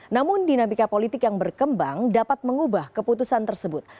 namun dinamika politik yang berkembang dapat mengubah keputusan tersebut